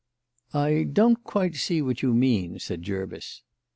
"I don't quite see what you mean," said Jervis.